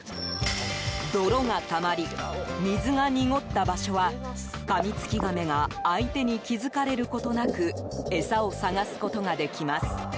泥がたまり、水が濁った場所はカミツキガメが相手に気付かれることなく餌を探すことができます。